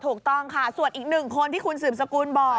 ถูกต้องค่ะส่วนอีกหนึ่งคนที่คุณสืบสกุลบอก